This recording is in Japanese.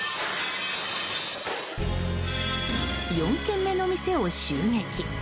４件目の店を襲撃。